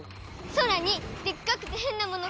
空にでっかくてへんなものが。